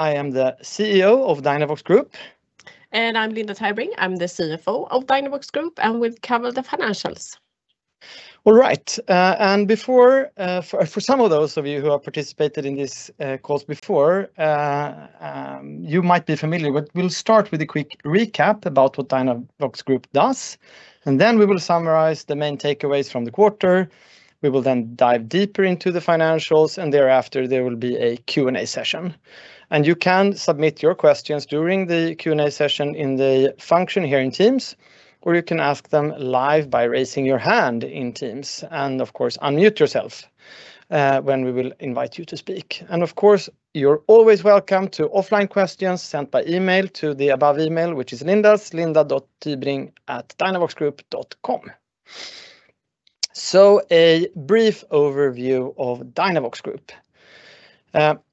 I am the CEO of Dynavox Group. I'm Linda Tybring. I'm the CFO of Dynavox Group, and will cover the financials. All right. For some of those of you who have participated in these calls before, you might be familiar, but we'll start with a quick recap about what Dynavox Group does, and then we will summarize the main takeaways from the quarter. We will then dive deeper into the financials, and thereafter there will be a Q&A session. You can submit your questions during the Q&A session in the function here in Teams, or you can ask them live by raising your hand in Teams. Of course, unmute yourself when we will invite you to speak. Of course, you're always welcome to offline questions sent by email to the above email, which is Linda's, linda.tybring@dynavoxgroup.com. A brief overview of Dynavox Group.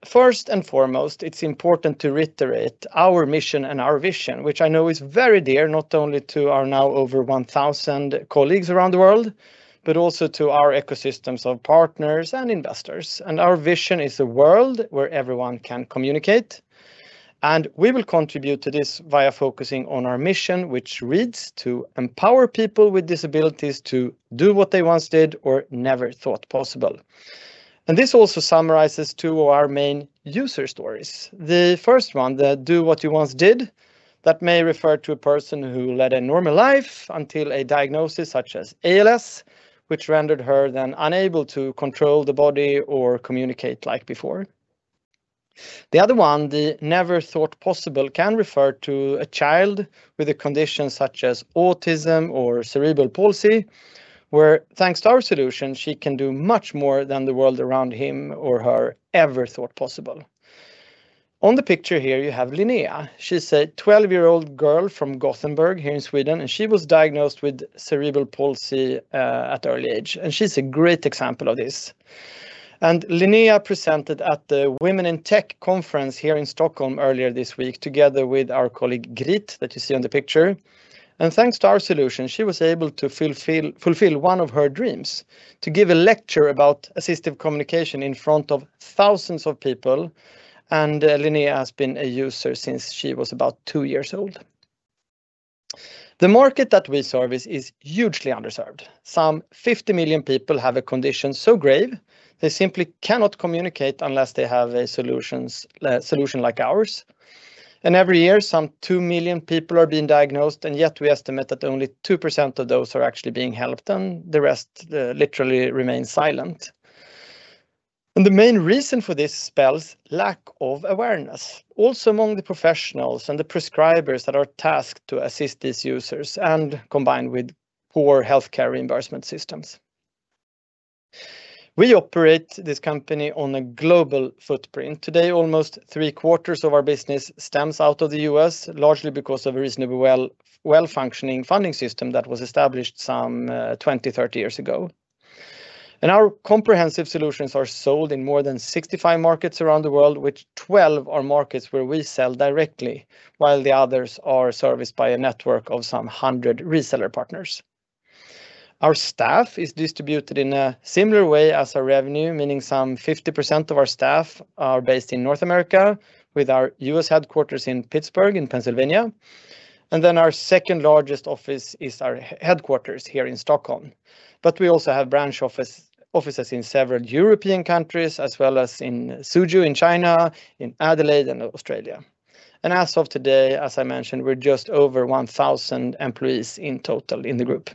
First and foremost, it's important to reiterate our mission and our vision, which I know is very dear, not only to our now over 1,000 colleagues around the world, but also to our ecosystems of partners and investors. Our vision is a world where everyone can communicate, and we will contribute to this via focusing on our mission, which reads, "To empower people with disabilities to do what they once did or never thought possible." This also summarizes two of our main user stories. The first one, the do what you once did, that may refer to a person who led a normal life until a diagnosis such as ALS, which rendered her then unable to control the body or communicate like before. The other one, the never thought possible, can refer to a child with a condition such as autism or cerebral palsy, where thanks to our solution, she can do much more than the world around him or her ever thought possible. On the picture here, you have Linnea. She's a 12-year-old girl from Gothenburg here in Sweden, and she was diagnosed with cerebral palsy at early age. She's a great example of this. Linnea presented at the Women in Tech Sweden here in Stockholm earlier this week, together with our colleague, Grit, that you see on the picture. Thanks to our solution, she was able to fulfill one of her dreams, to give a lecture about assistive communication in front of thousands of people. Linnea has been a user since she was about two years old. The market that we service is hugely underserved. Some 50 million people have a condition so grave they simply cannot communicate unless they have a solution like ours. Every year, some 2 million people are being diagnosed. Yet we estimate that only 2% of those are actually being helped, and the rest literally remain silent. The main reason for this is lack of awareness, also among the professionals and the prescribers that are tasked to assist these users and combined with poor healthcare reimbursement systems. We operate this company on a global footprint. Today, almost three quarters of our business stems out of the U.S., largely because of a reasonably well-functioning funding system that was established some 20-30 years ago. Our comprehensive solutions are sold in more than 65 markets around the world, which 12 are markets where we sell directly, while the others are serviced by a network of some 100 reseller partners. Our staff is distributed in a similar way as our revenue, meaning some 50% of our staff are based in North America with our U.S. headquarters in Pittsburgh, in Pennsylvania. Our second largest office is our headquarters here in Stockholm. We also have branch offices in several European countries as well as in Suzhou, in China, in Adelaide, and Australia. As of today, as I mentioned, we're just over 1,000 employees in total in the group.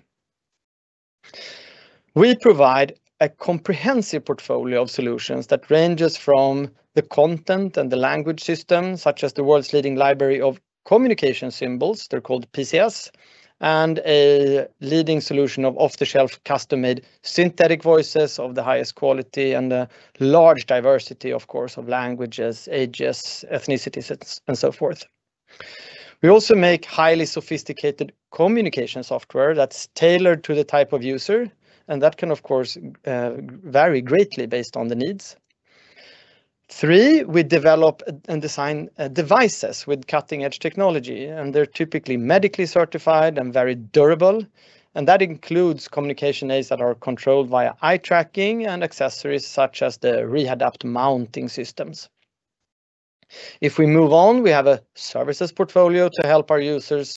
We provide a comprehensive portfolio of solutions that ranges from the content and the language system, such as the world's leading library of communication symbols. They're called PCS. A leading solution of off-the-shelf, custom-made synthetic voices of the highest quality and a large diversity, of course, of languages, ages, ethnicities, and so forth. We also make highly sophisticated communication software that's tailored to the type of user, and that can, of course, vary greatly based on the needs. Three, we develop and design devices with cutting-edge technology, and they're typically medically certified and very durable. That includes communication aids that are controlled via eye tracking and accessories such as the Rehadapt mounting systems. If we move on, we have a services portfolio to help our users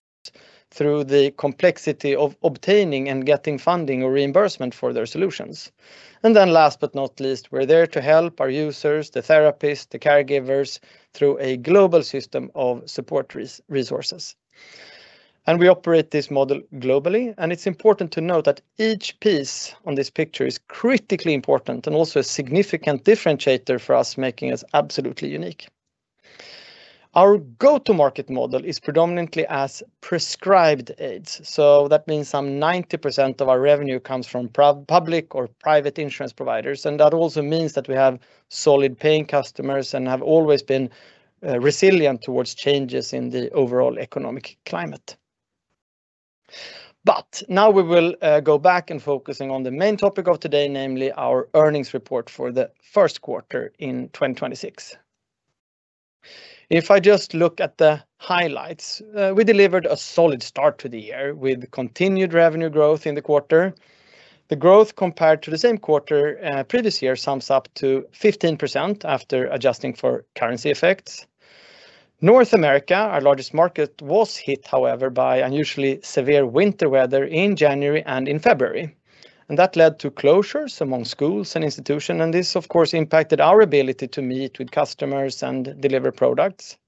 through the complexity of obtaining and getting funding or reimbursement for their solutions. Last but not least, we're there to help our users, the therapists, the caregivers, through a global system of support resources. We operate this model globally, and it's important to note that each piece on this picture is critically important and also a significant differentiator for us, making us absolutely unique. Our go-to-market model is predominantly as prescribed aids, so that means some 90% of our revenue comes from public or private insurance providers. That also means that we have solid paying customers and have always been resilient towards changes in the overall economic climate. Now we will go back and focusing on the main topic of today, namely our earnings report for the first quarter in 2026. If I just look at the highlights, we delivered a solid start to the year with continued revenue growth in the quarter. The growth compared to the same quarter previous year sums up to 15% after adjusting for currency effects. North America, our largest market, was hit, however, by unusually severe winter weather in January and in February. That led to closures among schools and institutions, and this, of course, impacted our ability to meet with customers and deliver products.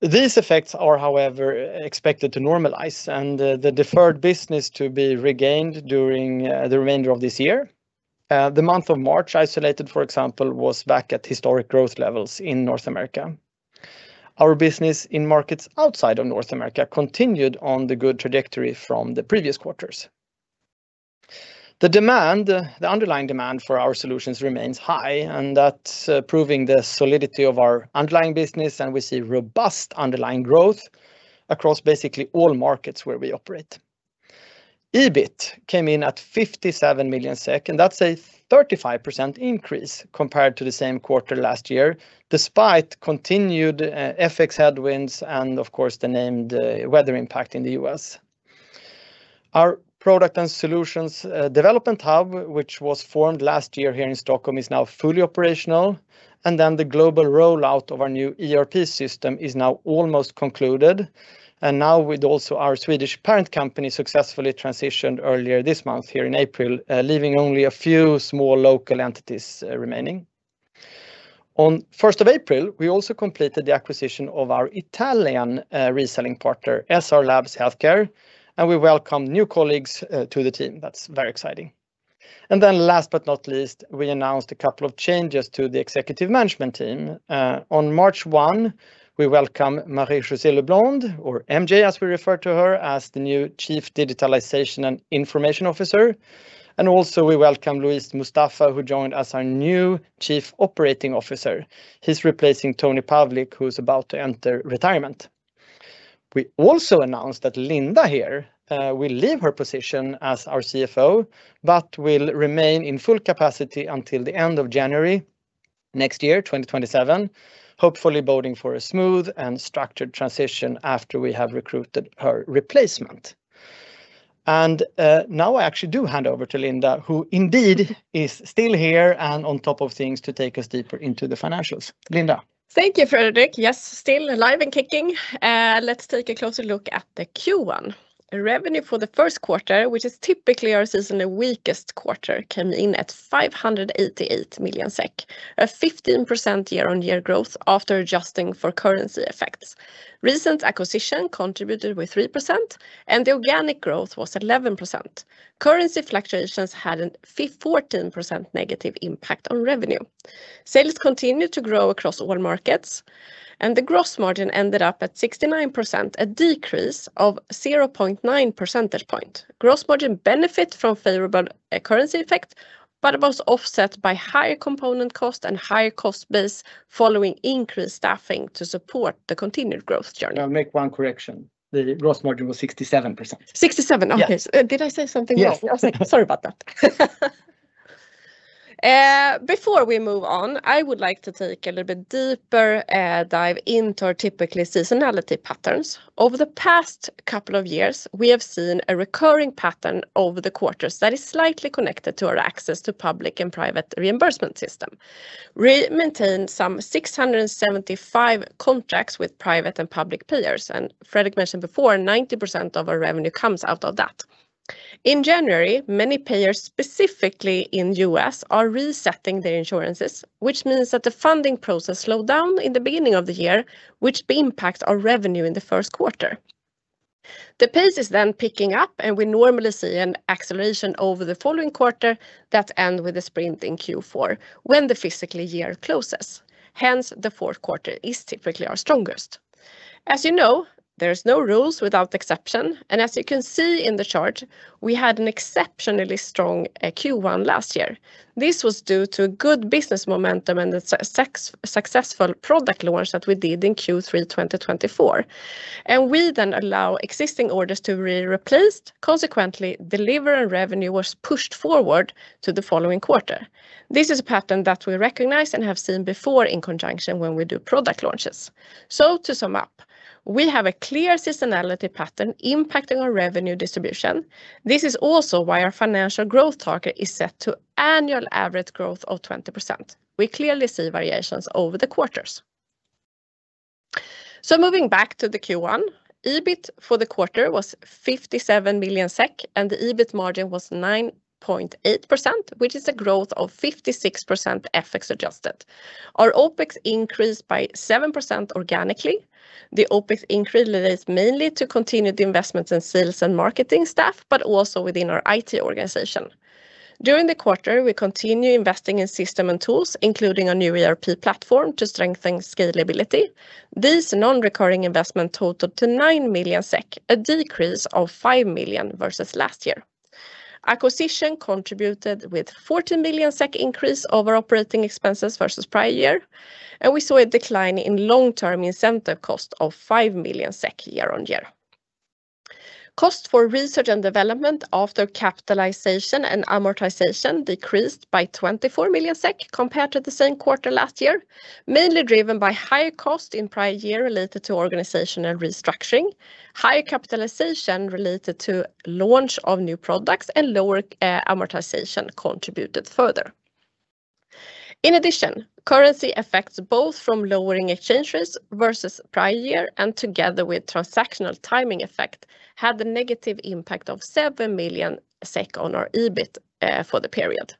These effects are, however, expected to normalize and the deferred business to be regained during the remainder of this year. The month of March, isolated, for example, was back at historic growth levels in North America. Our business in markets outside of North America continued on the good trajectory from the previous quarters. The underlying demand for our solutions remains high, and that's proving the solidity of our underlying business, and we see robust underlying growth across basically all markets where we operate. EBIT came in at 57 million SEK, and that's a 35% increase compared to the same quarter last year, despite continued FX headwinds and, of course, the named weather impact in the U.S. Our product and solutions development hub, which was formed last year here in Stockholm, is now fully operational, and then the global rollout of our new ERP system is now almost concluded. Now with also our Swedish parent company successfully transitioned earlier this month here in April, leaving only a few small local entities remaining. On 1st of April, we also completed the acquisition of our Italian reselling partner, SR Labs Healthcare, and we welcome new colleagues to the team. That's very exciting. Last but not least, we announced a couple of changes to the executive management team. On March 1, we welcome Marie-Josée Leblond, or MJ, as we refer to her, as the new Chief Digitalization and Information Officer, and also we welcome Luis Mustafa, who joined as our new Chief Operating Officer. He's replacing Tony Pavlik, who's about to enter retirement. We also announced that Linda here will leave her position as our CFO but will remain in full capacity until the end of January next year, 2027, hopefully boding for a smooth and structured transition after we have recruited her replacement. Now I actually do hand over to Linda, who indeed is still here and on top of things to take us deeper into the financials. Linda. Thank you, Fredrik. Yes, still alive and kicking. Let's take a closer look at the Q1. Revenue for the first quarter, which is typically our seasonally weakest quarter, came in at 588 million SEK, a 15% year-on-year growth after adjusting for currency effects. Recent acquisition contributed with 3%, and the organic growth was 11%. Currency fluctuations had a 14% negative impact on revenue. Sales continued to grow across all markets, and the gross margin ended up at 69%, a decrease of 0.9 percentage point. Gross margin benefited from favorable currency effect, but it was offset by higher component cost and higher cost base following increased staffing to support the continued growth journey. I'll make one correction. The gross margin was 67%. 67%? Okay. Yeah. Did I say something else? Yeah. Sorry about that. Before we move on, I would like to take a little bit deeper dive into our typical seasonality patterns. Over the past couple of years, we have seen a recurring pattern over the quarters that is slightly connected to our access to public and private reimbursement system. We maintain some 675 contracts with private and public payers, and Fredrik mentioned before, 90% of our revenue comes out of that. In January, many payers, specifically in the U.S., are resetting their insurances, which means that the funding process slowed down in the beginning of the year, which impacts our revenue in the first quarter. The pace is then picking up, and we normally see an acceleration over the following quarters that end with a sprint in Q4 when the fiscal year closes. Hence, the fourth quarter is typically our strongest. As you know, there's no rules without exception, and as you can see in the chart, we had an exceptionally strong Q1 last year. This was due to good business momentum and the successful product launch that we did in Q3 2024, and we then allow existing orders to be replaced. Consequently, delivery and revenue was pushed forward to the following quarter. This is a pattern that we recognize and have seen before in conjunction when we do product launches. To sum up, we have a clear seasonality pattern impacting our revenue distribution. This is also why our financial growth target is set to annual average growth of 20%. We clearly see variations over the quarters. Moving back to the Q1, EBIT for the quarter was 57 million SEK, and the EBIT margin was 9.8%, which is a growth of 56% FX adjusted. Our OpEx increased by 7% organically. The OpEx increase relates mainly to continued investments in sales and marketing staff, but also within our IT organization. During the quarter, we continue investing in systems and tools, including a new ERP platform to strengthen scalability. These non-recurring investments totaled to 9 million SEK, a decrease of 5 million versus last year. Acquisition contributed with 40 million SEK increase over operating expenses versus prior year, and we saw a decline in long-term incentive cost of 5 million SEK year-on-year. Cost for research and development after capitalization and amortization decreased by 24 million SEK compared to the same quarter last year, mainly driven by higher costs in prior year related to organization and restructuring. Higher capitalization related to launch of new products and lower amortization contributed further. In addition, currency effects both from lower exchanges versus prior year and together with transactional timing effect had the negative impact of 7 million SEK on our EBIT for the period.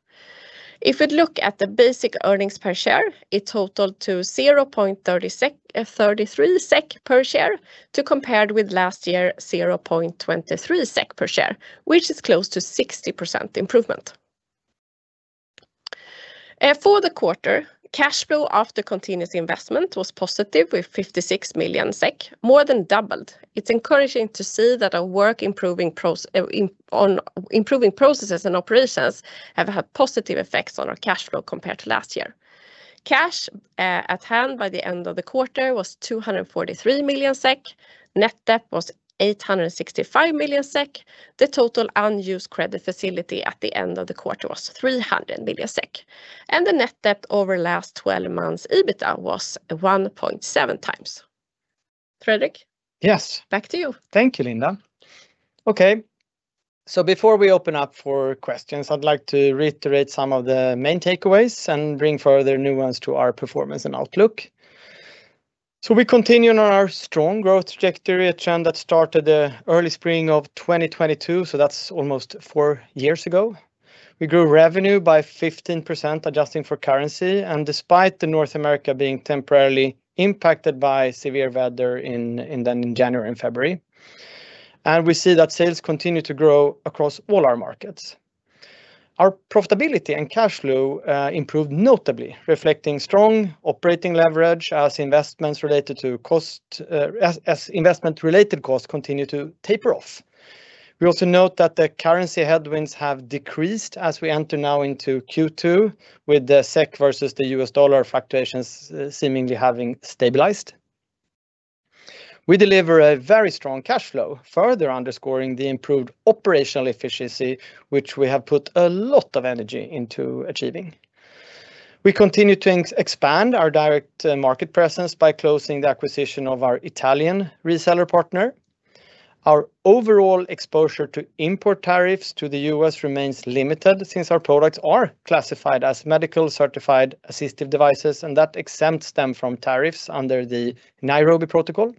If we look at the basic earnings per share, it totaled 0.33 SEK per share compared with last year, 0.23 SEK per share, which is close to 60% improvement. For the quarter, cash flow after continuous investment was positive with 56 million SEK, more than doubled. It's encouraging to see that our work improving processes and operations have had positive effects on our cash flow compared to last year. Cash at hand by the end of the quarter was 243 million SEK. Net debt was 865 million SEK. The total unused credit facility at the end of the quarter was 300 million SEK, and the net debt over last 12 months EBITDA was 1.7x. Fredrik? Yes. Back to you. Thank you, Linda. Okay, so before we open up for questions, I'd like to reiterate some of the main takeaways and bring further nuance to our performance and outlook. We continue on our strong growth trajectory, a trend that started the early spring of 2022, so that's almost four years ago. We grew revenue by 15%, adjusting for currency, and despite the North America being temporarily impacted by severe weather in January and February. We see that sales continue to grow across all our markets. Our profitability and cash flow improved notably, reflecting strong operating leverage as investment-related costs continue to taper off. We also note that the currency headwinds have decreased as we enter now into Q2 with the SEK versus the US dollar fluctuations seemingly having stabilized. We deliver a very strong cash flow, further underscoring the improved operational efficiency, which we have put a lot of energy into achieving. We continue to expand our direct market presence by closing the acquisition of our Italian reseller partner. Our overall exposure to import tariffs to the U.S. remains limited since our products are classified as medically certified assistive devices, and that exempts them from tariffs under the Nairobi Protocol.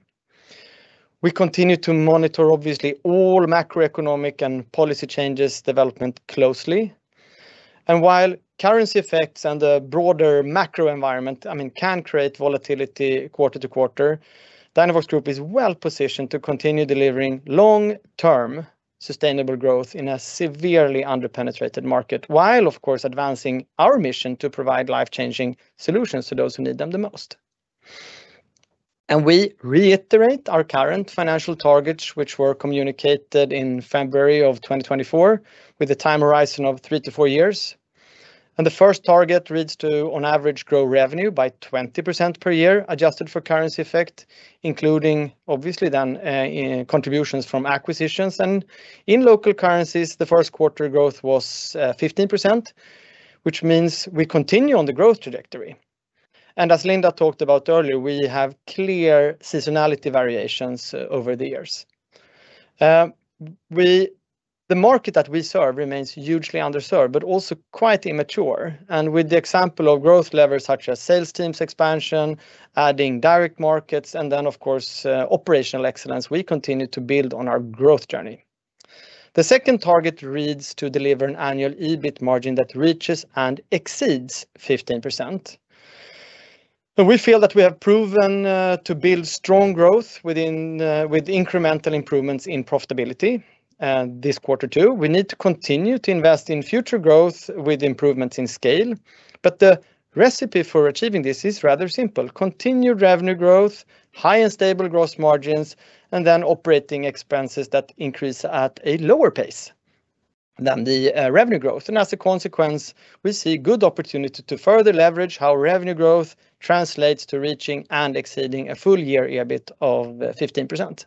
We continue to monitor, obviously, all macroeconomic and policy changes developments closely. While currency effects and the broader macro environment can create volatility quarter to quarter, Dynavox Group is well positioned to continue delivering long-term sustainable growth in a severely under-penetrated market while of course advancing our mission to provide life-changing solutions to those who need them the most. We reiterate our current financial targets, which were communicated in February of 2024 with a time horizon of three to four years. The first target reads to, on average, grow revenue by 20% per year, adjusted for currency effect, including obviously then contributions from acquisitions. In local currencies, the first quarter growth was 15%, which means we continue on the growth trajectory. As Linda talked about earlier, we have clear seasonality variations over the years. The market that we serve remains hugely underserved, but also quite immature. With the example of growth levers such as sales teams expansion, adding direct markets, and then of course, operational excellence, we continue to build on our growth journey. The second target reads to deliver an annual EBIT margin that reaches and exceeds 15%. We feel that we have proven to build strong growth with incremental improvements in profitability, this quarter too. We need to continue to invest in future growth with improvements in scale. The recipe for achieving this is rather simple, continued revenue growth, high and stable gross margins, and then operating expenses that increase at a lower pace than the revenue growth. As a consequence, we see good opportunity to further leverage how revenue growth translates to reaching and exceeding a full year EBIT of 15%.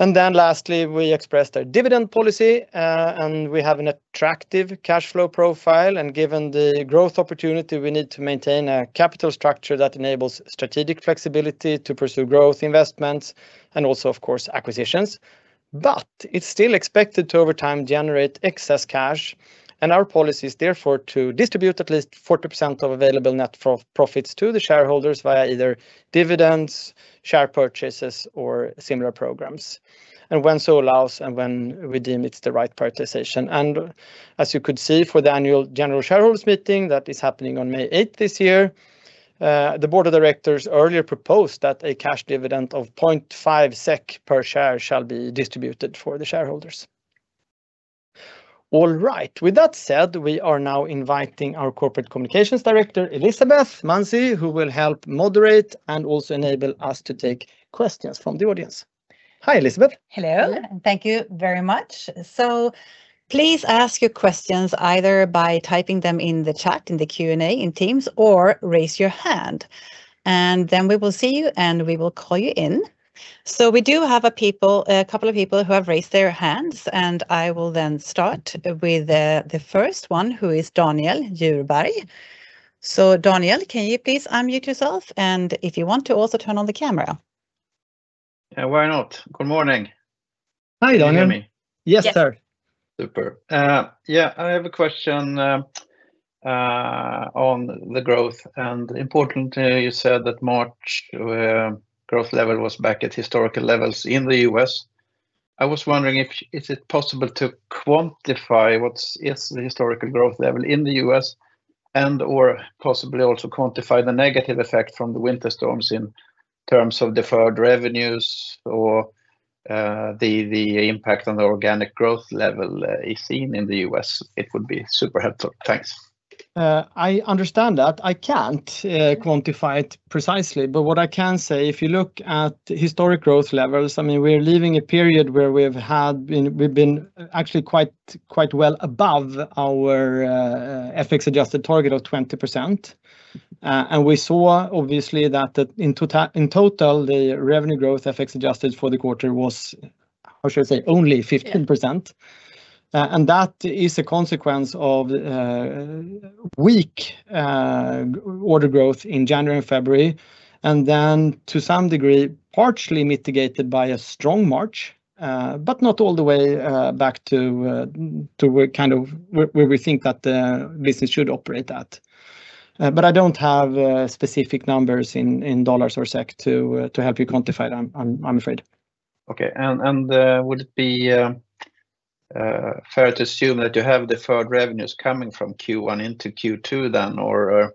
Then lastly, we expressed our dividend policy, and we have an attractive cash flow profile. Given the growth opportunity, we need to maintain a capital structure that enables strategic flexibility to pursue growth investments and also, of course, acquisitions. It's still expected to over time generate excess cash and our policy is therefore to distribute at least 40% of available net profits to the shareholders via either dividends, share purchases, or similar programs when so allows and when we deem it's the right prioritization. As you could see for the Annual General Shareholders Meeting that is happening on May 8th this year, the Board of Directors earlier proposed that a cash dividend of 0.5 SEK per share shall be distributed for the shareholders. All right. With that said, we are now inviting our Corporate Communications Director, Elisabeth Manzi, who will help moderate and also enable us to take questions from the audience. Hi, Elisabeth. Hello. Thank you very much. Please ask your questions either by typing them in the chat in the Q&A in Teams, or raise your hand, and then we will see you, and we will call you in. We do have a couple of people who have raised their hands, and I will then start with the first one, who is Daniel Djurberg. Daniel, can you please unmute yourself and if you want to also turn on the camera? Yeah, why not? Good morning. Hi, Daniel. Can you hear me? Yes, sir. Super. I have a question on the growth, and importantly, you said that March growth level was back at historical levels in the U.S. I was wondering is it possible to quantify what is the historical growth level in the U.S. and/or possibly also quantify the negative effect from the winter storms in terms of deferred revenues or the impact on the organic growth level is seen in the U.S.? It would be super helpful. Thanks. I understand that. I can't quantify it precisely, but what I can say, if you look at historic growth levels, we're leaving a period where we've been actually quite well above our FX-adjusted target of 20%. We saw, obviously, that in total, the revenue growth FX-adjusted for the quarter was, how should I say, only 15%. That is a consequence of weak order growth in January and February, and then to some degree, partially mitigated by a strong March, but not all the way back to where we think that the business should operate at. I don't have specific numbers in dollars or SEK to help you quantify that, I'm afraid. Okay. Would it be fair to assume that you have deferred revenues coming from Q1 into Q2 then? Or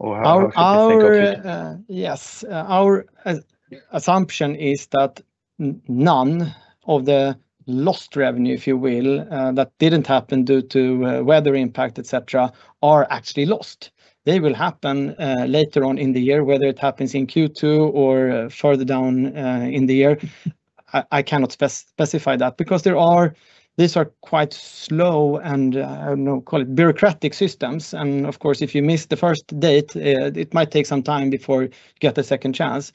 how should we think of it? Yes. Our assumption is that none of the lost revenue, if you will, that didn't happen due to weather impact, et cetera, are actually lost. They will happen later on in the year, whether it happens in Q2 or further down in the year, I cannot specify that, because these are quite slow and, call it bureaucratic systems, and of course, if you miss the first date, it might take some time before you get a second chance.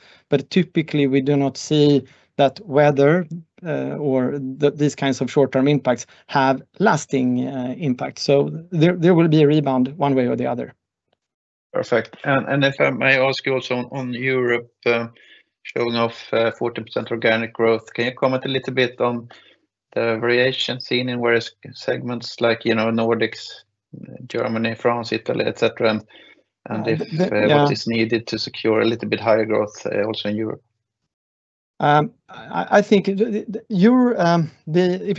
Typically, we do not see that weather, or these kinds of short-term impacts, have lasting impact. There will be a rebound one way or the other. Perfect. If I may ask you also on Europe, showing off 40% organic growth, can you comment a little bit on the variation seen in various segments like Nordics, Germany, France, Italy, et cetera, and if what is needed to secure a little bit higher growth also in Europe? If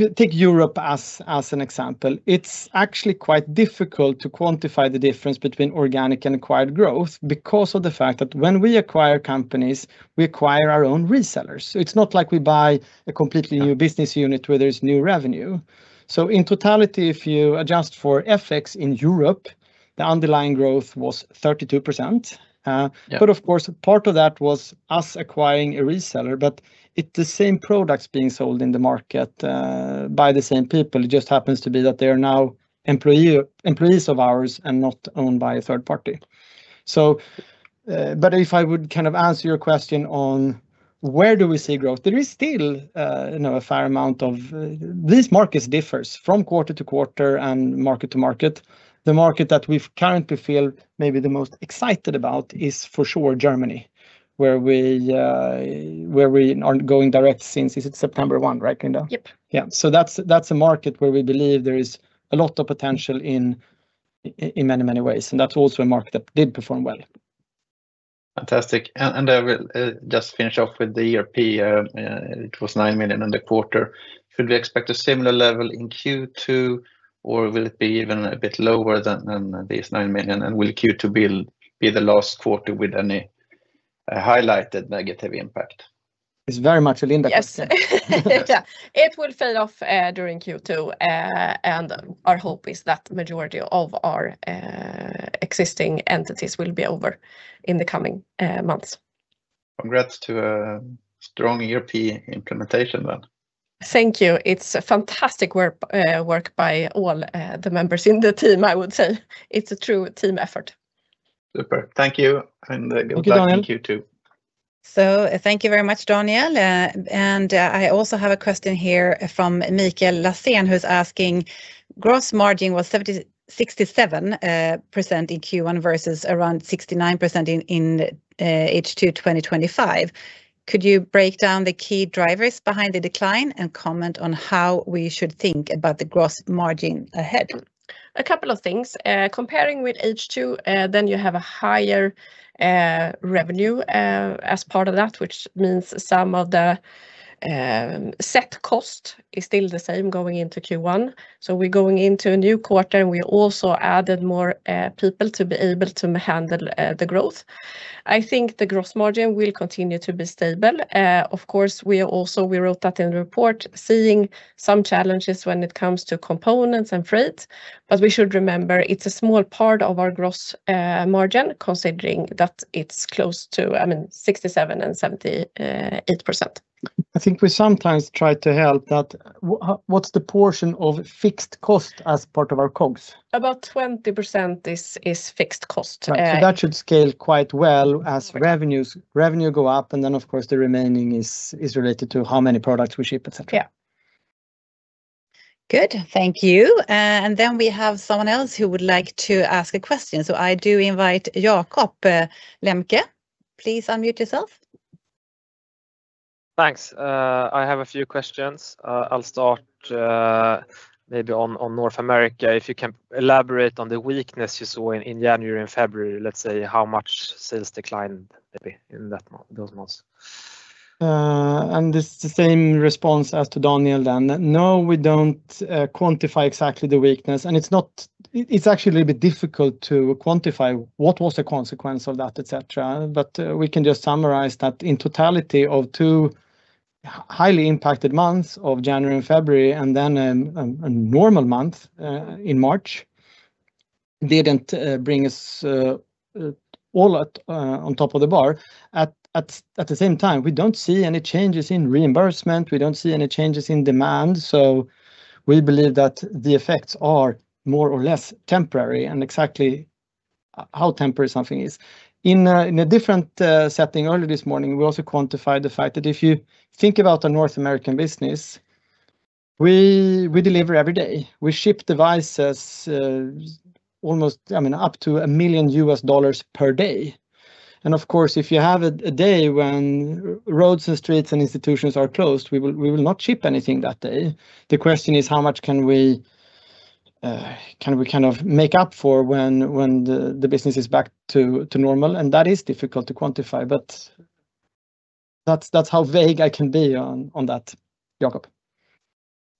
you take Europe as an example, it's actually quite difficult to quantify the difference between organic and acquired growth because of the fact that when we acquire companies, we acquire our own resellers. It's not like we buy a completely new business unit where there's new revenue. In totality, if you adjust for FX in Europe, the underlying growth was 32%. Yeah. Of course, part of that was us acquiring a reseller, but it's the same products being sold in the market by the same people. It just happens to be that they are now employees of ours and not owned by a third party. If I would answer your question on where do we see growth, there is still a fair amount, these markets differ from quarter to quarter and market to market. The market that we currently feel maybe the most excited about is, for sure, Germany, where we aren't going direct since, is it September 1? Right, Linda? Yep. Yeah. That's a market where we believe there is a lot of potential in many ways, and that's also a market that did perform well. Fantastic. I will just finish off with the ERP. It was 9 million in the quarter. Should we expect a similar level in Q2, or will it be even a bit lower than this 9 million? Will Q2 be the last quarter with any highlighted negative impact? It's very much a Linda question. Yes. It will fade off during Q2, and our hope is that majority of our existing entities will be over in the coming months. Congrats to a strong ERP implementation then. Thank you. It's fantastic work by all the members in the team, I would say. It's a true team effort. Super. Thank you, and good luck in Q2. Thank you, Daniel. Thank you very much, Daniel. I also have a question here from Mikael Lasséen, who's asking, "Gross margin was 67% in Q1 versus around 69% in H2 2025. Could you break down the key drivers behind the decline and comment on how we should think about the gross margin ahead? A couple of things. Comparing with H2, then you have a higher revenue as part of that, which means some of the set cost is still the same going into Q1. We're going into a new quarter, and we also added more people to be able to handle the growth. I think the gross margin will continue to be stable. Of course, we wrote that in the report, seeing some challenges when it comes to components and freight, but we should remember it's a small part of our gross margin, considering that it's close to 67% and 78%. I think we sometimes try to help that. What's the portion of fixed cost as part of our COGS? About 20% is fixed cost. That should scale quite well as revenue go up, and then of course, the remaining is related to how many products we ship, et cetera. Yeah. Good. Thank you. We have someone else who would like to ask a question. I do invite Jakob Lembke. Please unmute yourself. Thanks. I have a few questions. I'll start maybe on North America, if you can elaborate on the weakness you saw in January and February, let's say how much sales declined maybe in those months? This is the same response as to Daniel then. No, we don't quantify exactly the weakness. It's actually a little bit difficult to quantify what was the consequence of that, et cetera. We can just summarize that in totality of two highly impacted months of January and February and then a normal month in March, didn't bring us all on top of the bar. At the same time, we don't see any changes in reimbursement. We don't see any changes in demand. We believe that the effects are more or less temporary and exactly how temporary something is. In a different setting earlier this morning, we also quantified the fact that if you think about the North American business, we deliver every day. We ship devices almost up to $1 million per day. Of course, if you have a day when roads and streets and institutions are closed, we will not ship anything that day. The question is how much can we make up for when the business is back to normal? That is difficult to quantify, but that's how vague I can be on that, Jakob.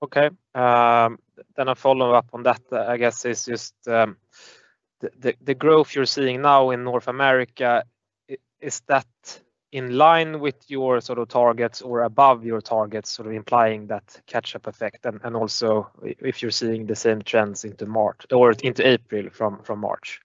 Okay. A follow-up on that, I guess, is just the growth you're seeing now in North America. Is that in line with your sort of targets or above your targets, sort of implying that catch-up effect and also if you're seeing the same trends into April from March?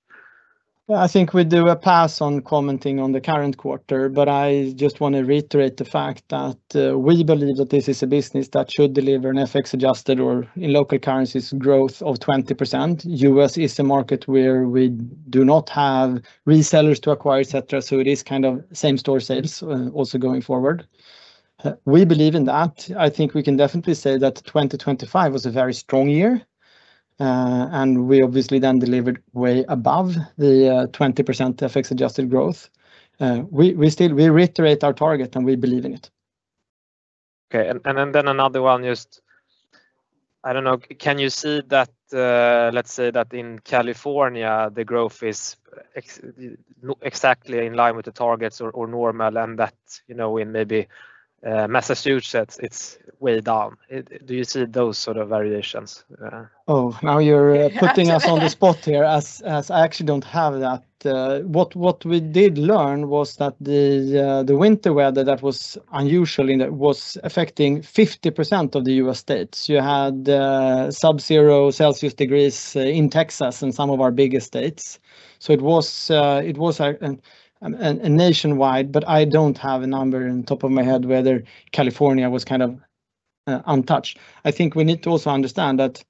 I think we do a pass on commenting on the current quarter, but I just want to reiterate the fact that we believe that this is a business that should deliver an FX adjusted or in local currencies growth of 20%. U.S. is a market where we do not have resellers to acquire, et cetera. So it is kind of same store sales also going forward. We believe in that. I think we can definitely say that 2025 was a very strong year. We obviously then delivered way above the 20% FX adjusted growth. We reiterate our target, and we believe in it. Okay. Another one, just, I don't know, can you see that, let's say that in California, the growth is exactly in line with the targets or normal, and that in maybe Massachusetts, it's way down. Do you see those sort of variations? Oh, now you're putting us on the spot here as I actually don't have that. What we did learn was that the winter weather that was unusual and that was affecting 50% of the U.S. states. You had sub-zero degrees Celsius in Texas and some of our biggest states. It was nationwide, but I don't have a number off the top of my head whether California was untouched. I think we need to also understand that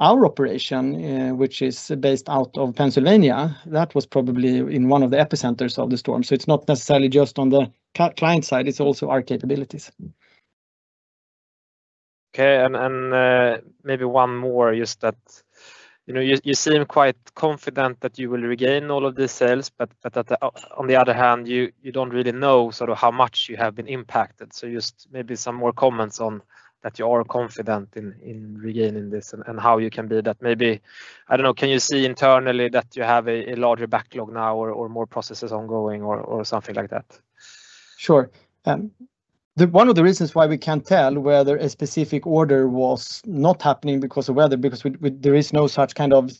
our operation, which is based out of Pennsylvania, that was probably in one of the epicenters of the storm. It's not necessarily just on the client side, it's also our capabilities. Okay. Maybe one more, just that you seem quite confident that you will regain all of these sales, but at the, on the other hand, you don't really know how much you have been impacted. Just maybe some more comments on that you are confident in regaining this and how you can be that maybe, I don't know. Can you see internally that you have a larger backlog now or more processes ongoing or something like that? Sure. One of the reasons why we can't tell whether a specific order was not happening because of weather, because there is no such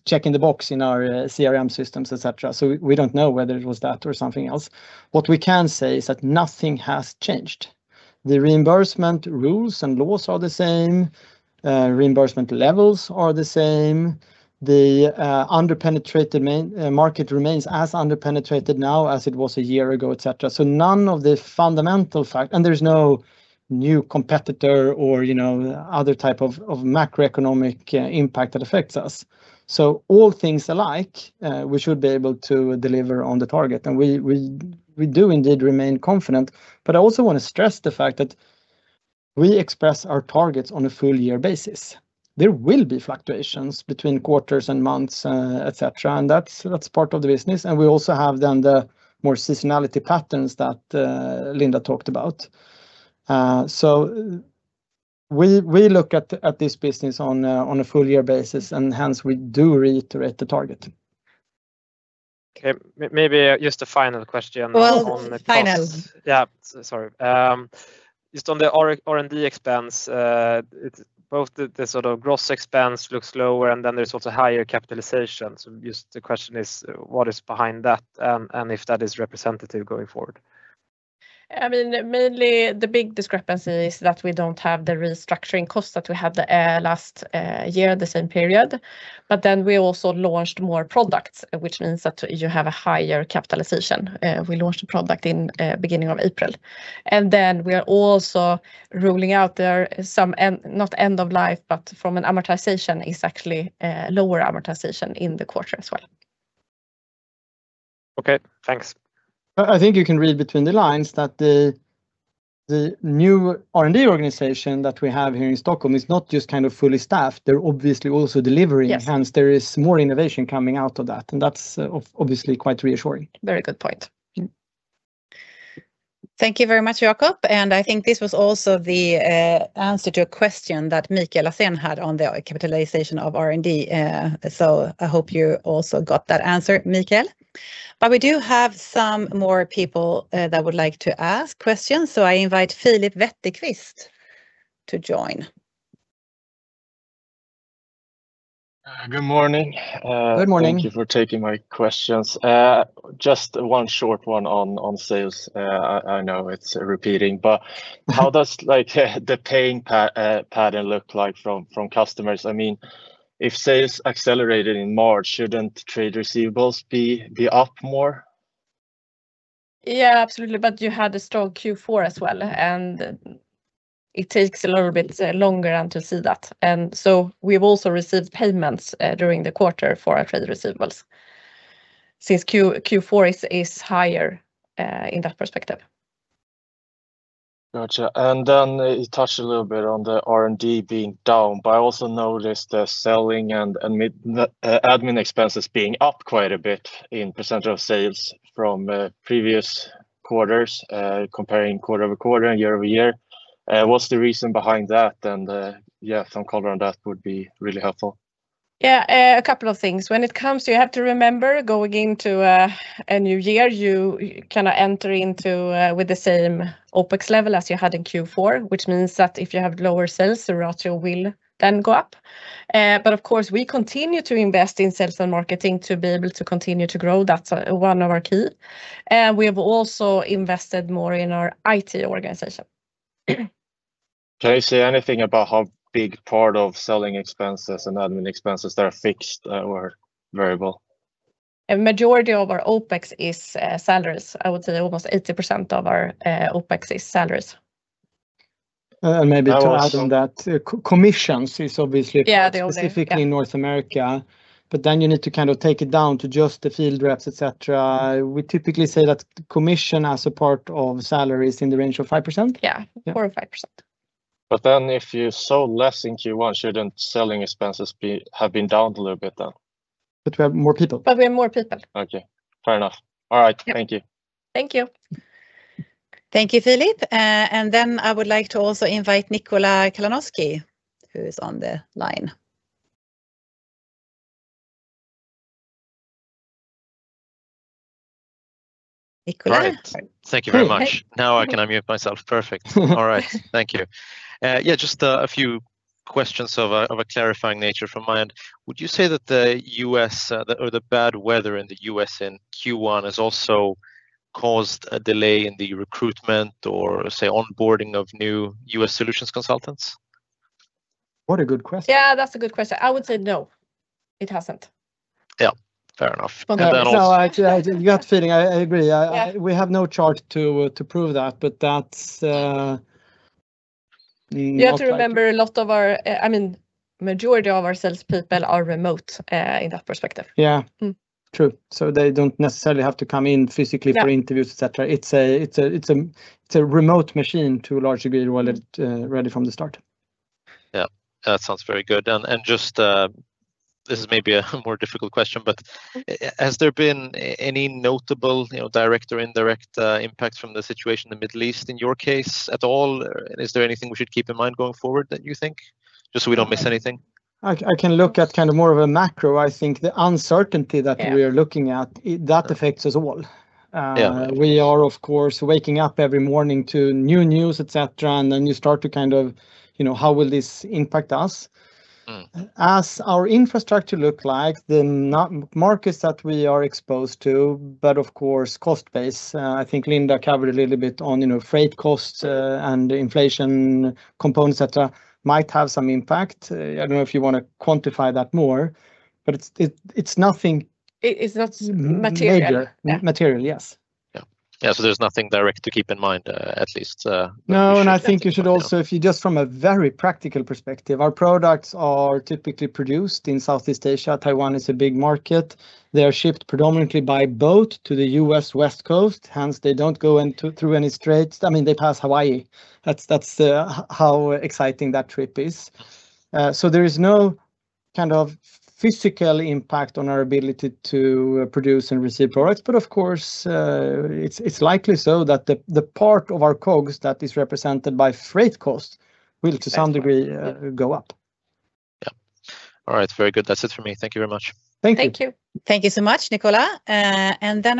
check in the box in our CRM systems, et cetera. We don't know whether it was that or something else. What we can say is that nothing has changed. The reimbursement rules and laws are the same. Reimbursement levels are the same. The under-penetrated market remains as under-penetrated now as it was a year ago, et cetera. None of the fundamental fact, and there is no new competitor or other type of macroeconomic impact that affects us. All things alike, we should be able to deliver on the target. We do indeed remain confident. I also want to stress the fact that we express our targets on a full year basis. There will be fluctuations between quarters and months, et cetera. That's part of the business. We also have then the more seasonality patterns that Linda talked about. We look at this business on a full year basis, and hence we do reiterate the target. Okay. Maybe just a final question on the cost. Well, final. Yeah. Sorry. Just on the R&D expense, both the sort of gross expense looks lower, and then there's also higher capitalization. Just the question is what is behind that and if that is representative going forward? I mean, mainly the big discrepancy is that we don't have the restructuring costs that we had the last year, the same period. We also launched more products, which means that you have a higher capitalization. We launched a product in beginning of April. We are also ruling out there some, not end of life, but from an amortization is actually lower amortization in the quarter as well. Okay, thanks. I think you can read between the lines that the new R&D organization that we have here in Stockholm is not just fully staffed, they're obviously also delivering. Yes. Hence there is more innovation coming out of that, and that's obviously quite reassuring. Very good point. Yeah. Thank you very much, Jakob, and I think this was also the answer to a question that Mikael Lasséen had on the capitalization of R&D. I hope you also got that answer, Mikael. We do have some more people that would like to ask questions, so I invite Philip Vetekvist to join. Good morning. Good morning. Thank you for taking my questions. Just one short one on sales. I know it's repeating, but how does the paying pattern look like from customers? If sales accelerated in March, shouldn't trade receivables be up more? Yeah, absolutely, but you had a strong Q4 as well, and it takes a little bit longer than to see that. We've also received payments during the quarter for our trade receivables since Q4 is higher in that perspective. Got you. Then you touched a little bit on the R&D being down, but I also noticed the selling and admin expenses being up quite a bit in percentage of sales from previous quarters, comparing quarter-over-quarter and year-over-year. What's the reason behind that? Yeah, some color on that would be really helpful. Yeah. A couple of things. When it comes to, you have to remember, going into a new year, you enter with the same OpEx level as you had in Q4, which means that if you have lower sales, the ratio will then go up. Of course, we continue to invest in sales and marketing to be able to continue to grow. That's one of our key. We have also invested more in our IT organization. Can you say anything about how big a part of selling expenses and admin expenses that are fixed or variable? A majority of our OpEx is salaries. I would say almost 80% of our OpEx is salaries. Maybe to add on that, commissions is obviously. Yeah. Specifically in North America, but then you need to take it down to just the field reps, et cetera. We typically say that commission as a part of salary is in the range of 5%. Yeah. Yeah. 4%-5%. If you sold less in Q1, shouldn't selling expenses have been down a little bit then? We have more people. We have more people. Okay. Fair enough. All right. Yeah. Thank you. Thank you. Thank you, Philip. I would like to also invite Nicola Kalanoski, who is on the line. Nicola? Right. Thank you very much. Now I can unmute myself. Perfect. All right. Thank you. Yeah, just a few questions of a clarifying nature from my end. Would you say that the bad weather in the U.S. in Q1 has also caused a delay in the recruitment or, say, onboarding of new U.S. solutions consultants? What a good question. Yeah, that's a good question. I would say no, it hasn't. Yeah, fair enough. No, I got feeling, I agree. Yeah. We have no chart to prove that, but that's not. You have to remember a majority of our salespeople are remote, in that perspective. Yeah. Mm-hmm. True. They don't necessarily have to come in physically for interviews, et cetera. Yeah. It's a remote machine to a large degree, well, ready from the start. Yeah. That sounds very good. This is maybe a more difficult question, but has there been any notable direct or indirect impacts from the situation in the Middle East in your case at all? Is there anything we should keep in mind going forward that you think, just so we don't miss anything? I can look at more of a macro. I think the uncertainty that we are looking at, that affects us all. Yeah. We are, of course, waking up every morning to new news, et cetera, and then you start to kind of, how will this impact us? Mm-hmm. As our infrastructure look like, the markets that we are exposed to, but of course, cost base. I think Linda covered a little bit on freight costs and inflation components that might have some impact. I don't know if you want to quantify that more, but it's nothing. It's not material. Major material, yes. Yeah. There's nothing direct to keep in mind, at least. No, I think you should also, if you just from a very practical perspective, our products are typically produced in Southeast Asia. Taiwan is a big market. They are shipped predominantly by boat to the U.S. West Coast, hence they don't go through any straits. They pass Hawaii. That's how exciting that trip is. There is no physical impact on our ability to produce and receive products. Of course, it's likely so that the part of our COGS that is represented by freight costs will to some degree, go up. Yeah. All right. Very good. That's it for me. Thank you very much. Thank you. Thank you. Thank you so much, Nicola.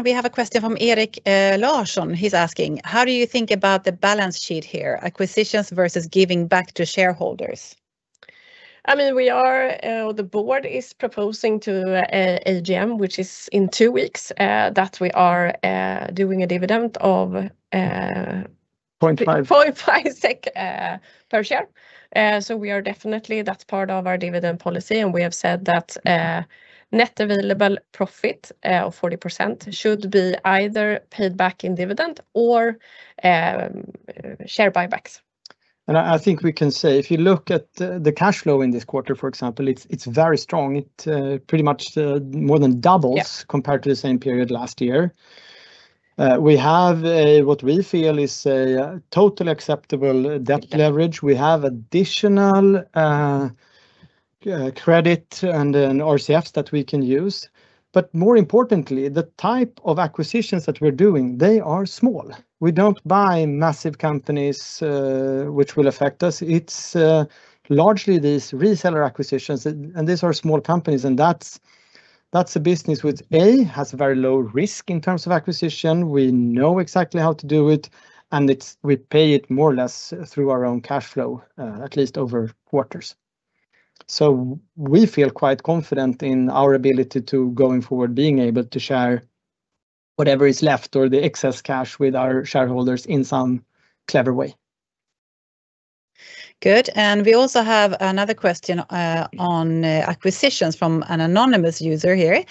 We have a question from Eric Larson. He's asking, how do you think about the balance sheet here, acquisitions versus giving back to shareholders? The board is proposing to AGM, which is in two weeks, that we are doing a dividend of- 0.5.... SEK 0.5 per share. We are definitely, that's part of our dividend policy, and we have said that net available profit of 40% should be either paid back in dividend or share buybacks. I think we can say, if you look at the cash flow in this quarter, for example, it's very strong. It pretty much more than doubles. Yeah. Compared to the same period last year. We have what we feel is a totally acceptable debt leverage. We have additional credit and RCFs that we can use. But more importantly, the type of acquisitions that we're doing, they are small. We don't buy massive companies, which will affect us. It's largely these reseller acquisitions, and these are small companies, and that's a business which, A, has a very low risk in terms of acquisition. We know exactly how to do it, and we pay it more or less through our own cash flow, at least over quarters. We feel quite confident in our ability to, going forward, being able to share whatever is left or the excess cash with our shareholders in some clever way. Good. We also have another question on acquisitions from an anonymous user here.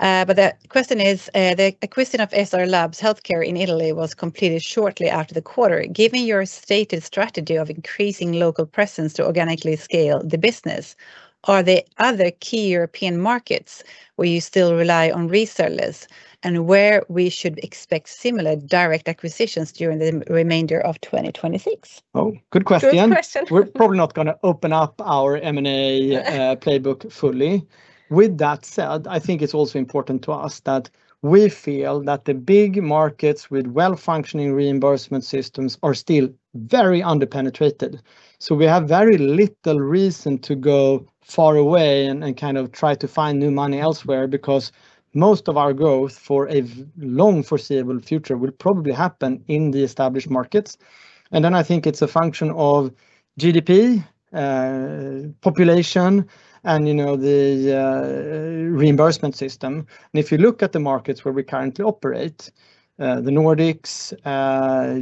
The question is: The acquisition of SR Labs Healthcare in Italy was completed shortly after the quarter. Given your stated strategy of increasing local presence to organically scale the business, are there other key European markets where you still rely on resellers, and where we should expect similar direct acquisitions during the remainder of 2026? Oh, good question. Good question. We're probably not going to open up our M&A playbook fully. With that said, I think it's also important to us that we feel that the big markets with well-functioning reimbursement systems are still very under-penetrated. We have very little reason to go far away and try to find new money elsewhere, because most of our growth for a long foreseeable future will probably happen in the established markets. I think it's a function of GDP, population, and the reimbursement system. If you look at the markets where we currently operate, the Nordics,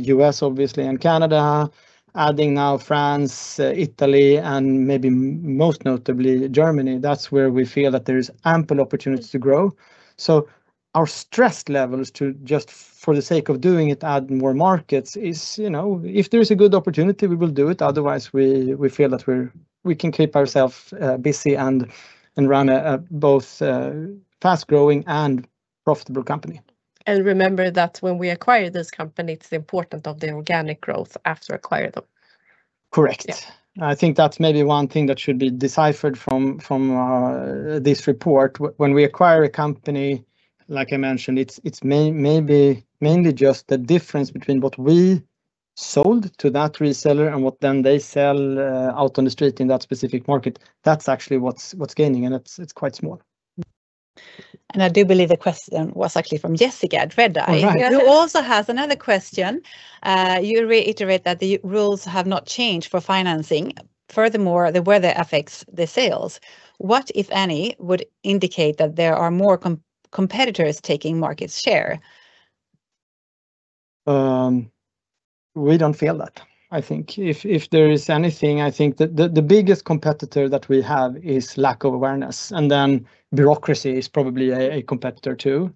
U.S. obviously, and Canada, adding now France, Italy, and maybe most notably Germany, that's where we feel that there is ample opportunities to grow. Our stress levels to just for the sake of doing it, add more markets is, if there is a good opportunity, we will do it. Otherwise, we feel that we can keep ourselves busy and run both a fast-growing and profitable company. Remember that when we acquire this company, it's important of the organic growth after acquire them. Correct. Yeah. I think that's maybe one thing that should be deciphered from this report. When we acquire a company, like I mentioned, it's mainly just the difference between what we sold to that reseller and what then they sell out on the street in that specific market. That's actually what's gaining, and it's quite small. I do believe the question was actually from Jessica at Redeye. All right. Who also has another question. You reiterate that the rules have not changed for financing. Furthermore, the weather affects the sales. What, if any, would indicate that there are more competitors taking market share? We don't feel that. I think if there is anything, I think the biggest competitor that we have is lack of awareness, and then bureaucracy is probably a competitor, too.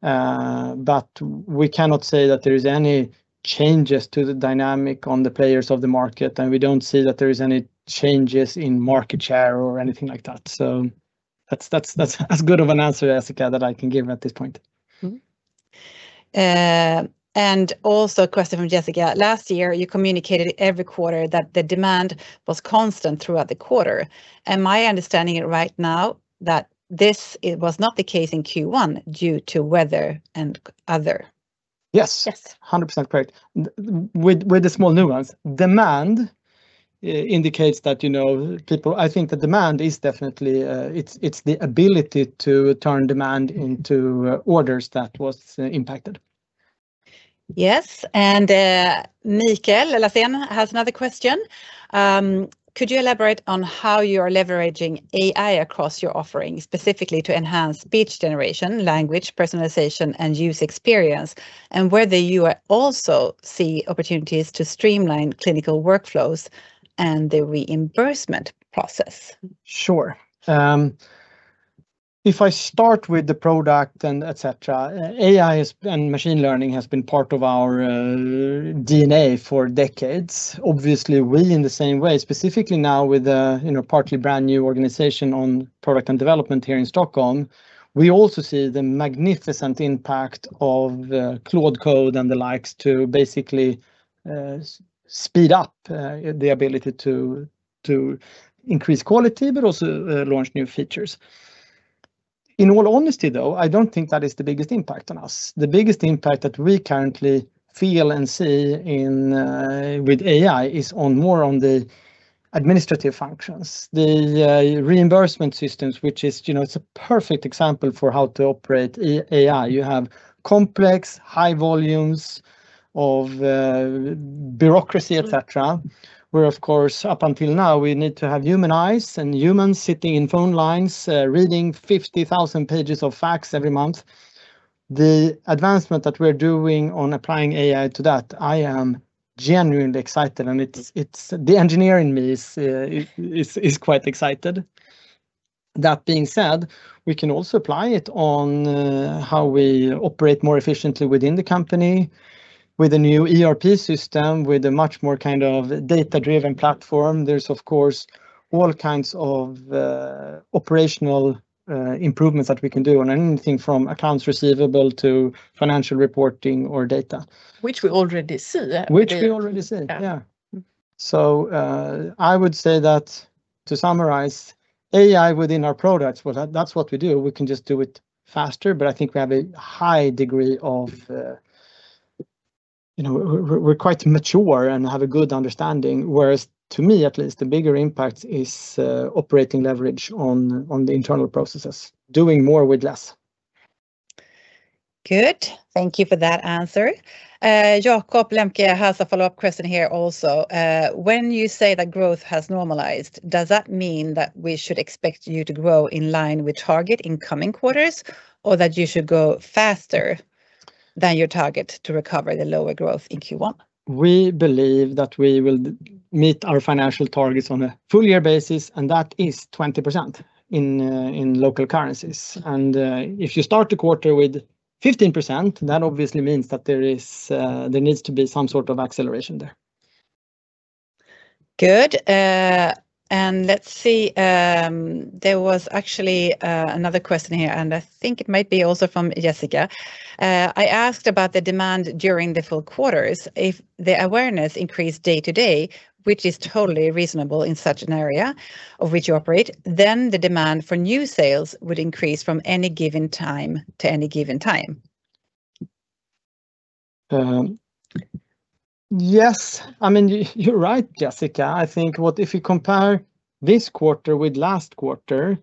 We cannot say that there is any changes to the dynamic on the players of the market, and we don't see that there is any changes in market share or anything like that. That's as good of an answer, Jessica, that I can give at this point. Also a question from Jessica. Last year, you communicated every quarter that the demand was constant throughout the quarter. Am I understanding it right now that this was not the case in Q1 due to weather and other? Yes. Yes. 100% correct. With a small nuance. I think the demand is definitely, it's the ability to turn demand into orders that was impacted. Yes. Mikael Lasséen has another question. Could you elaborate on how you are leveraging AI across your offerings, specifically to enhance speech generation, language personalization, and user experience, and whether you also see opportunities to streamline clinical workflows and the reimbursement process? Sure. If I start with the product and et cetera, AI and machine learning has been part of our DNA for decades. Obviously, we in the same way, specifically now with a partly brand-new organization on product and development here in Stockholm, we also see the magnificent impact of the cloud code and the likes to basically speed up the ability to increase quality, but also launch new features. In all honesty, though, I don't think that is the biggest impact on us. The biggest impact that we currently feel and see with AI is more on the administrative functions. The reimbursement systems, which is a perfect example for how to operate AI. You have complex high volumes of bureaucracy, et cetera, where, of course, up until now, we need to have human eyes and humans sitting in phone lines, reading 50,000 pages of fax every month. The advancement that we're doing on applying AI to that, I am genuinely excited, and the engineer in me is quite excited. That being said, we can also apply it on how we operate more efficiently within the company with a new ERP system, with a much more data-driven platform. There's, of course, all kinds of operational improvements that we can do on anything from accounts receivable to financial reporting or data. Which we already see. Which we already see. Yeah. Yeah. I would say that, to summarize, AI within our products, that's what we do. We can just do it faster, but I think we're quite mature and have a good understanding. Whereas to me, at least, the bigger impact is operating leverage on the internal processes, doing more with less. Good. Thank you for that answer. Jakob Lembke has a follow-up question here also. "When you say that growth has normalized, does that mean that we should expect you to grow in line with target in coming quarters, or that you should go faster than your target to recover the lower growth in Q1? We believe that we will meet our financial targets on a full year basis, and that is 20% in local currencies. If you start the quarter with 15%, that obviously means that there needs to be some sort of acceleration there. Good. Let's see. There was actually another question here, and I think it might be also from Jessica. "I asked about the demand during the full quarters. If the awareness increased day to day, which is totally reasonable in such an area of which you operate, then the demand for new sales would increase from any given time to any given time. Yes. You're right, Jessica. I think if you compare this quarter with last quarter,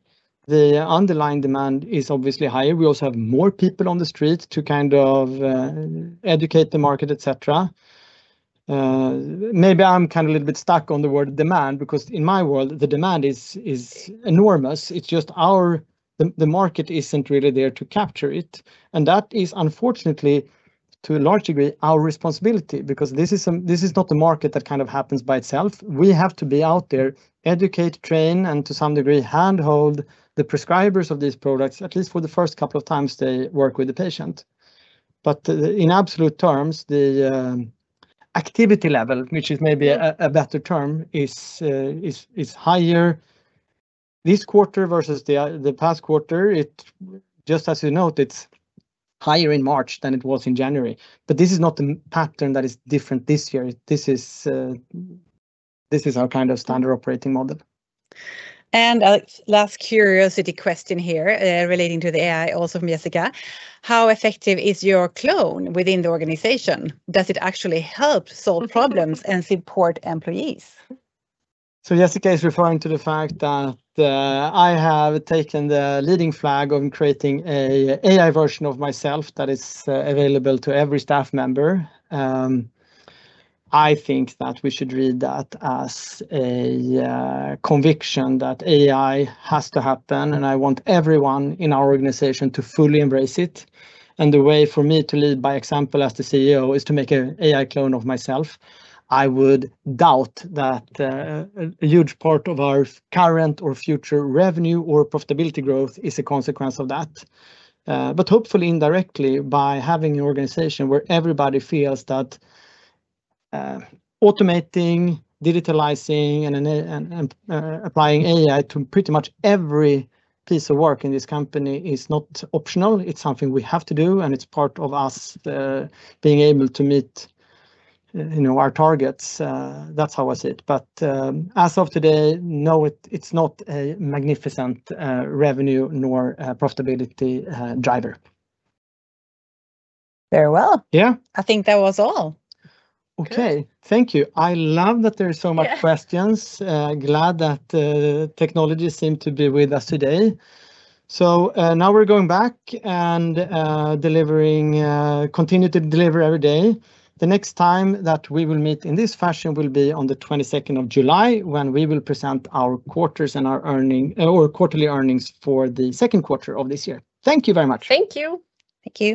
the underlying demand is obviously higher. We also have more people on the street to educate the market, et cetera. Maybe I'm a little bit stuck on the word "demand," because in my world, the demand is enormous. It's just the market isn't really there to capture it. That is unfortunately, to a large degree, our responsibility, because this is not a market that happens by itself. We have to be out there, educate, train, and to some degree, hand-hold the prescribers of these products, at least for the first couple of times they work with the patient. In absolute terms, the activity level, which is maybe a better term, is higher this quarter versus the past quarter. Just as you note, it's higher in March than it was in January. This is not a pattern that is different this year. This is our standard operating model. A last curiosity question here relating to the AI, also from Jessica. "How effective is your clone within the organization? Does it actually help solve problems and support employees? Jessica is referring to the fact that I have taken the leading flag on creating an AI version of myself that is available to every staff member. I think that we should read that as a conviction that AI has to happen, and I want everyone in our organization to fully embrace it. The way for me to lead by example as the CEO is to make an AI clone of myself. I would doubt that a huge part of our current or future revenue or profitability growth is a consequence of that. Hopefully indirectly, by having an organization where everybody feels that automating, digitalizing, and applying AI to pretty much every piece of work in this company is not optional. It's something we have to do, and it's part of us being able to meet our targets. That's how I see it. As of today, no, it's not a magnificent revenue nor profitability driver. Very well. Yeah. I think that was all. Okay. Thank you. I love that there's so much questions. Yeah. Glad that technology seemed to be with us today. Now we're going back and continue to deliver every day. The next time that we will meet in this fashion will be on the 22nd of July, when we will present our quarters and our quarterly earnings for the second quarter of this year. Thank you very much. Thank you. Thank you.